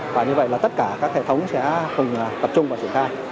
và như vậy là tất cả các hệ thống sẽ tập trung vào triển khai